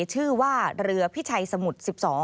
ชื่อว่าเรือพิชัยสมุทร๑๒